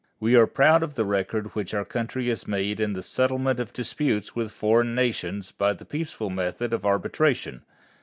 We are proud of the record which our country has made in the settlement of disputes with foreign nations by the peaceful method of arbitration.